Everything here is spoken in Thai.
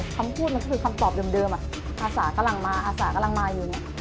คำพูดมันคือคำตอบเดิมภาษากำลังมาอาสากำลังมาอยู่เนี่ย